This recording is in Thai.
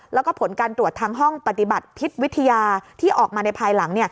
แล้วก็ผลการตรวจทางห้องปฏิบัติพิษวิทยาที่ออกมาในภายหลัง